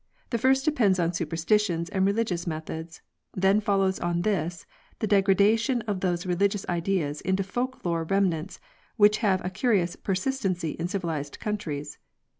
The first depends on superstitious and religious methods; then follows on this the degradation of these religious ideas into folk lore remnants, which have a curious persistency in civilized countries.